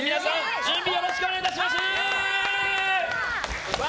準備をよろしくお願いします。笑